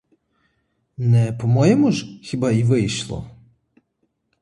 Не по-моєму ж хіба й вийшло?